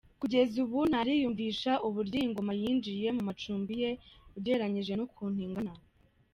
Kugeza ubu ntariyumvisha uburyo iyi ngona yinjiye mu macumbi ye ugereranyije n’ukuntu ingana .